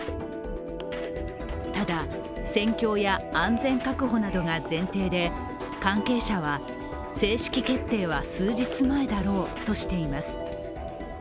ただ、戦況や安全確保などが前提で、関係者は正式決定は数日前だろうとしています。